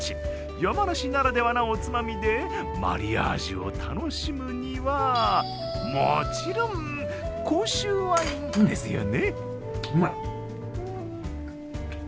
山梨ならではのおつまみでマリアージュを楽しむにはもちろん、甲州ワインですよね。